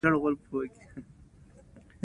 دا څه دلیل دی ؟